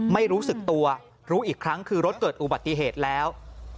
ไม่รู้สึกตัวรู้อีกครั้งคือรถเกิดอุบัติเหตุแล้ว